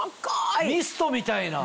ミストみたいな。